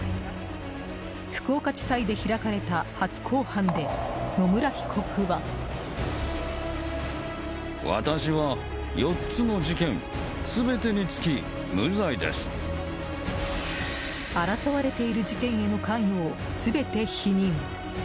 福岡地裁で開かれた初公判で野村被告は。争われている事件への関与を全て否認。